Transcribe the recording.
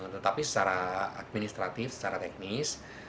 tetapi secara administratif secara teknis